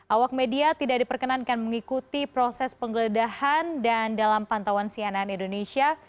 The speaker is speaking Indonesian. awak media tidak diperkenankan mengikuti proses penggeledahan dan dalam pantauan cnn indonesia